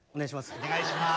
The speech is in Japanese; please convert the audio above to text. お願いします。